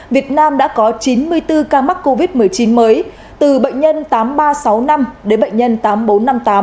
việt nam đã có chín mươi bốn ca mắc covid một mươi chín mới từ bệnh nhân tám nghìn ba trăm sáu mươi năm đến bệnh nhân tám nghìn bốn trăm năm mươi tám